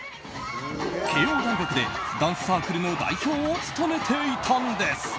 慶應大学でダンスサークルの代表を務めていたんです。